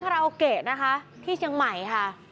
ทราโอเกะที่เชียงใหม่ค่ะ